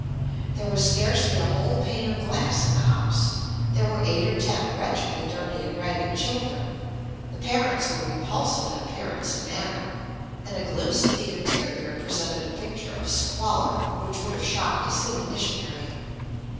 There was scarcely a whole pane of glass in the house, there were eight or ten wretchedly dirty and ragged children, the parents were repulsive in appearance and manner, and a glimpse of the interior presented a picture of squalor which would have shocked a city missionary.